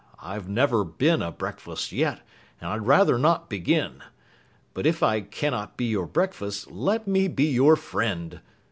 I've never been a breakfast yet, and I'd rather not begin. But if I cannot be your breakfast, let me be your friend!"